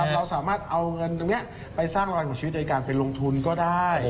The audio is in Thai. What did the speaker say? เราสามารถเอาเงินตรงนี้ไปสร้างรอยของชีวิตโดยการไปลงทุนก็ได้